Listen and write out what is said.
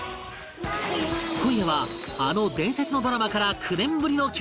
今夜はあの伝説のドラマから９年ぶりの共演